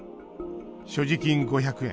所持金５００円。